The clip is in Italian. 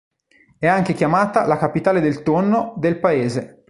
È anche Chiamata la "Capitale del tonno" del Paese.